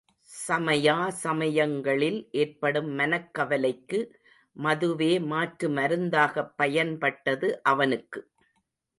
சமயா சமயங்களில் ஏற்படும் மனக்கவலைக்கு மதுவே மாற்று மருந்தாகப் பயன்பட்டது அவனுக்கு.